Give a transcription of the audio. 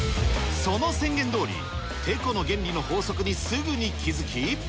その宣言通りてこの原理の法則にすぐに気付き